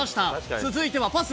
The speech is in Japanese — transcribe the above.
続いてはパス。